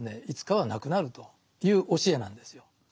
いつかはなくなるという教えなんですよ。